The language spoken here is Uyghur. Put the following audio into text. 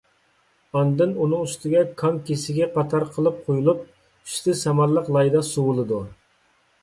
ئاندىن ئۇنىڭ ئۈستىگە كاڭ كېسىكى قاتار قىلىپ قويۇلۇپ، ئۈستى سامانلىق لايدا سۇۋىلىدۇ.